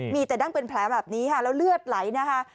มีแต่ด้างเป็นแผลแบบนี้แล้วเลือดไหล